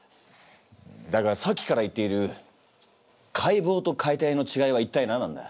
だがさっきから言っている解剖と解体のちがいは一体何なんだ？